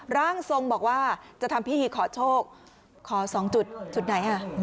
ร่างทรงบอกว่าจะทำพิธีขอโชคขอ๒จุดจุดไหนฮะ